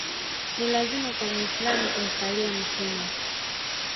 Ni lazima kwa Muislamu kumsalia Mtume